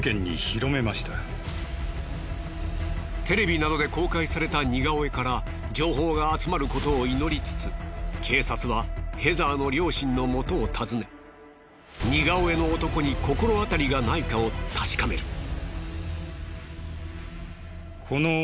テレビなどで公開された似顔絵から情報が集まることを祈りつつ警察はヘザーの両親のもとを訪ね似顔絵の男に心当たりがないかを確かめる。